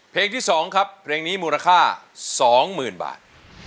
เพลงที่สองครับเพลงนี้มูลค่าสองหมื่นบาท